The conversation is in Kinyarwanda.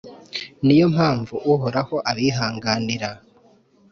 Ni yo mpamvu Uhoraho abihanganira,